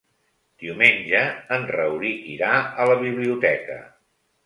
Diumenge en Rauric irà a la biblioteca.